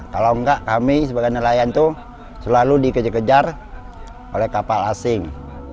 kalau enggak kami sebagai nelayan itu selalu dikejar kejar oleh kapal asing